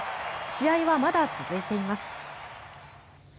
試合はまだ続いています。